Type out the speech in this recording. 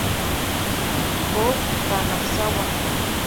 Jo Kanazawa